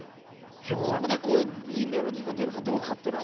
そこでいいメロディーが出るかどうかっていうのは。